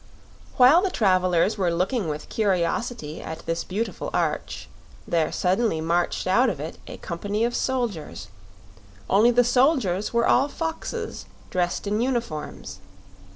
While the travelers were looking with curiosity at this beautiful arch there suddenly marched out of it a company of soldiers only the soldiers were all foxes dressed in uniforms.